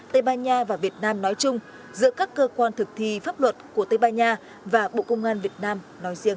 tây ban nha và việt nam nói chung giữa các cơ quan thực thi pháp luật của tây ban nha và bộ công an việt nam nói riêng